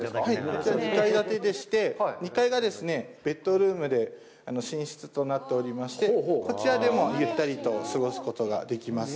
こちら２階建てでして、２階がベッドルームで、寝室となっておりまして、こちらでもゆったりと過ごすことができます。